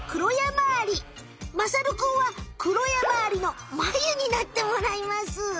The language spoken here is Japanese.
まさるくんはクロヤマアリのマユになってもらいます。